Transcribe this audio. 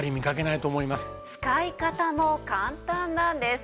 使い方も簡単なんです。